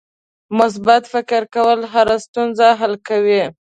مثبت فکر کول هره ستونزه حل کوي.